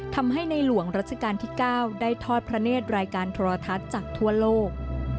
ทำให้ในหลวงรัชกาลที่๙ได้ทอดพระเนธรายการโทรทัศน์จากทั่วโลก